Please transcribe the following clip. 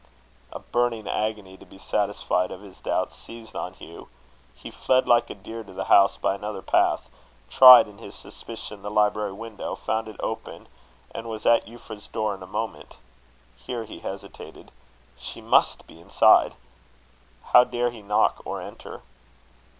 A burning agony to be satisfied of his doubts seized on Hugh. He fled like a deer to the house by another path; tried, in his suspicion, the library window; found it open, and was at Euphra's door in a moment. Here he hesitated. She must be inside. How dare he knock or enter?